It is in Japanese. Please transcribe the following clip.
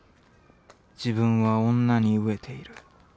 自分は女に餓えている。